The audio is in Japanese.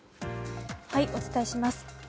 お伝えします。